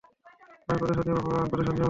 আমি প্রতিশোধ নিবো, বাবা, আমি প্রতিশোধ নিবো!